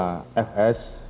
karena ada peristiwa fs